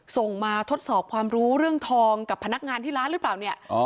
ส่งมาทดสอบความรู้เรื่องทองกับพนักงานที่ร้านหรือเปล่าเนี่ย